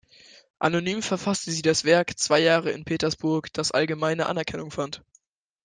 Anonym verfasste sie das Werk „Zwei Jahre in Petersburg“, das allgemeine Anerkennung fand.